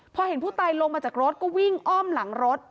พอเห็นผู้ตายลงมาจากรถก็วิ่งอ้อมหลังรถ